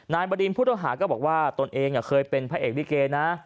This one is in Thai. นายบดินพุทธหาก็บอกว่าตนเองเคยเป็นพระเอกลิเกย์นะ